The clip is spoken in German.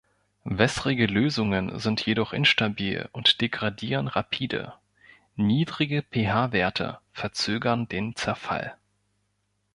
Wässrige Lösungen sind jedoch instabil und degradieren rapide; niedrige pH-Werte verzögern den Zerfall.